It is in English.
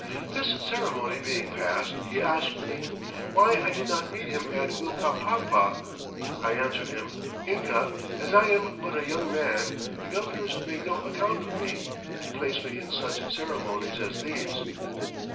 This Ceremony being past, he asked me, Why I did not meet him at Uillcapampa. I answered him, 'Inca, as I am but a Youngman, the Governours make no account of me, to place me in such Ceremonies as these!'